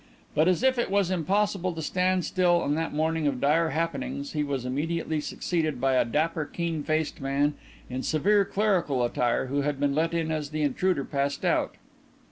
But, as if it was impossible to stand still on that morning of dire happenings, he was immediately succeeded by a dapper, keen faced man in severe clerical attire who had been let in as the intruder passed out.